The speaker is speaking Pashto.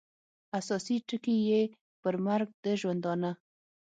اساسي ټکي یې پر مرګ د ژوندانه